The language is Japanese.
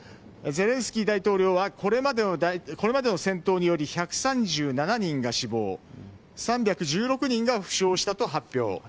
ゼレンスキー大統領はこれまでの戦闘により１３７人が死亡３１６人が負傷したと発表。